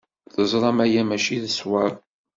Teẓram aya maci d ṣṣwab.